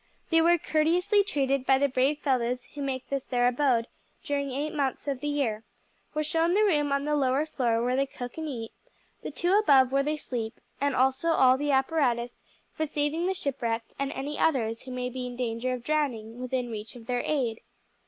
They were courteously treated by the brave fellows who make this their abode during eight months of the year, were shown the room on the lower floor where they cook and eat, the two above where they sleep, and also all the apparatus for saving the shipwrecked and any others who may be in danger of drowning within reach of their aid.